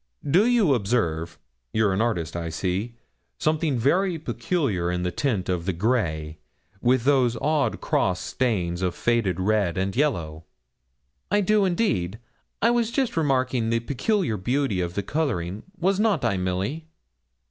Do you observe you're an artist, I see something very peculiar in that tint of the grey, with those odd cross stains of faded red and yellow?' 'I do, indeed; I was just remarking the peculiar beauty of the colouring was not I, Milly?'